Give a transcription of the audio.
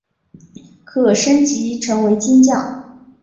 可升级成为金将。